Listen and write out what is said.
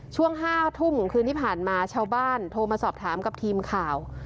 ช่วง๕ทุ่มคืนที่ผ่านมาชาวบ้านโทรมาสอบถามกับทีมข่าว